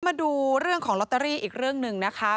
มาดูเรื่องของลอตเตอรี่อีกเรื่องหนึ่งนะคะ